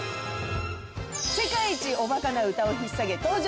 世界一おバカな歌を引っさげ登場！